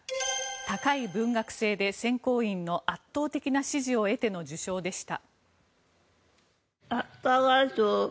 高い文学性で選考員の圧倒的な支持を得ての受賞でした。